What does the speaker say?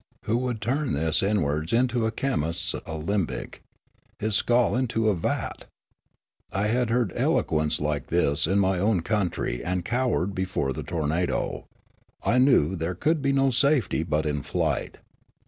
Who would turn his inwards into a chemist's alembic, his skull into a vat ? I had heard eloquence like this in my own country and cowered before the tornado ; I knew there could be no safety but in flight.